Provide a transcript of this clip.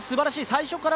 最初から